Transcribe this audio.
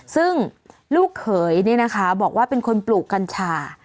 ซึ่งลูกเขยนี่นะคะบอกว่าเป็นคนปลูกกัญชา